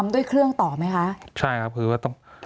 มีความรู้สึกว่ามีความรู้สึกว่ามีความรู้สึกว่า